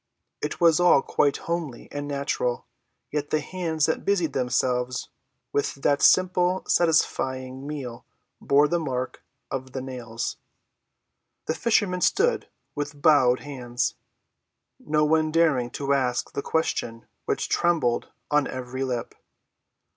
It was all quite homely and natural, yet the hands that busied themselves with that simple, satisfying meal bore the mark of the nails. The fishermen stood with bowed heads, no one daring to ask the question which trembled on every lip.